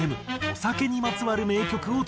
お酒にまつわる名曲を特集。